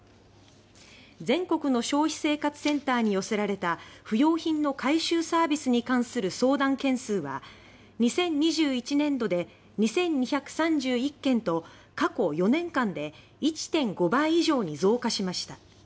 全国の消費生活センターに寄せられた不用品の回収サービスに関する相談件数は２０２１年度で２２３１件と過去４年間で１．５倍以上に増加しました。